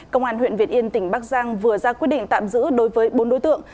công an huyện việt yên tỉnh bắc giang vừa ra quyết định tạm giữ đối với bốn đối tượng